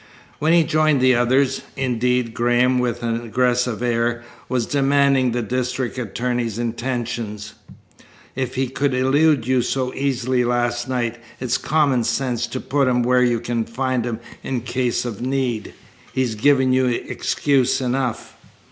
When he joined the others, indeed, Graham with an aggressive air was demanding the district attorney's intentions. "If he could elude you so easily last night, it's common sense to put him where you can find him in case of need. He's given you excuse enough."